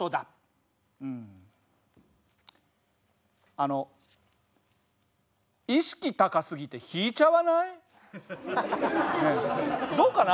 あの意識高すぎて引いちゃわない？どうかな？